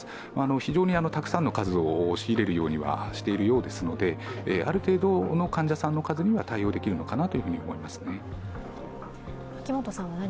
非常にたくさんの数を仕入れるようにはしているようですのである程度の患者さんの数には対応できると思います。